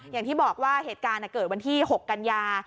อย่างที่บอกว่าเหตุการณ์เกิดวันที่๖กันยา